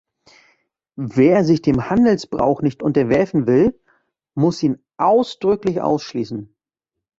Wer sich dem Handelsbrauch nicht unterwerfen will, muss ihn ausdrücklich ausschließen.